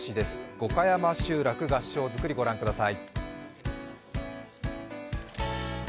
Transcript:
五箇山集落合掌造りを御覧ください。